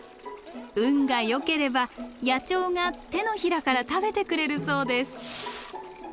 運がよければ野鳥が手のひらから食べてくれるそうです。